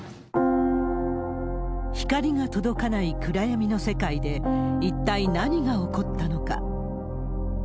光が届かない暗闇の世界で、一体何が起こったのか。